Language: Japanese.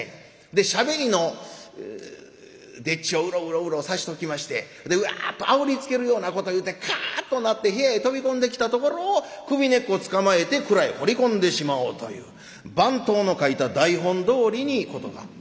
でしゃべりの丁稚をうろうろうろさしときましてでワッとあおりつけるようなこと言うてカッとなって部屋へ飛び込んできたところを首根っこつかまえて蔵へほり込んでしまおうという番頭の書いた台本どおりに事が進みます。